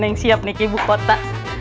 yang siap nih ke ibu kota